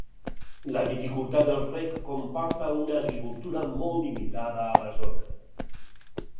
La dificultat del reg comporta una agricultura molt limitada a la zona.